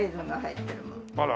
あら。